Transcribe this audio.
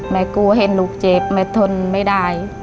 แม่กูเห็นลูกเจ็บแม่ทนไม่ได้